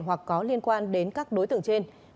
hoặc có liên quan đến các đối tượng trên